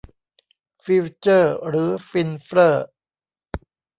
ฟิวเจอร์หรือฟินเฟร่อ